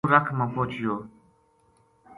یوہ رکھ ما پوہچیو